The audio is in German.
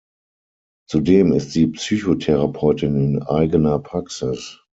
Zudem ist sie Psychotherapeutin in eigener Praxis.